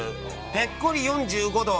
ぺっこり４５度！